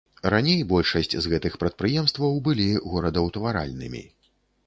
Раней большасць з гэтых прадпрыемстваў былі горадаўтваральнымі.